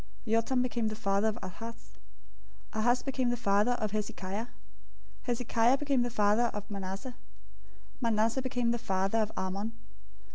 Jotham became the father of Ahaz. Ahaz became the father of Hezekiah. 001:010 Hezekiah became the father of Manasseh. Manasseh became the father of Amon.